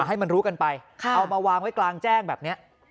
ให้มันรู้กันไปเอามาวางไว้กลางแจ้งแบบนี้